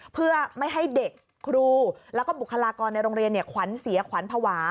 เพื่อไม่ให้เด็กครูแล้วก็บุคลากรในโรงเรียนขวัญเสียขวัญภาวะ